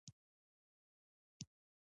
متلونه د ژبې ښکلا او ګاڼه دي